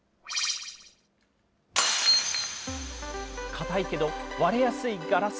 硬いけど、割れやすいガラス。